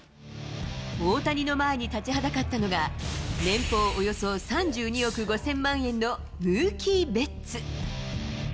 大谷の前に立ちはだかったのが、年俸およそ３２億５０００万円のムーキー・ベッツ。